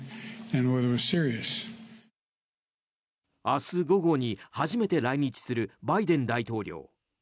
明日午後に初めて来日するバイデン大統領。